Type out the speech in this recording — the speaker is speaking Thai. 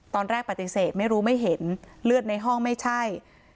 ตอนแรกปฏิเสธไม่รู้ไม่เห็นเลือดในห้องไม่ใช่